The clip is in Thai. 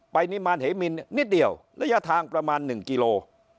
นิมารเหมินนิดเดียวระยะทางประมาณ๑กิโล